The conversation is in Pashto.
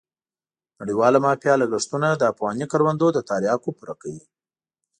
نړیواله مافیا لګښتونه د افغاني کروندو له تریاکو پوره کوي.